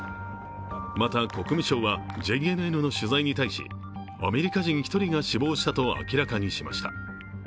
また、国務省はＪＮＮの取材に対しアメリカ人１人が死亡したと明らかにしました。